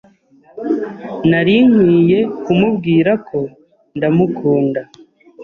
Nari nkwiye kumubwira ko ndamukunda.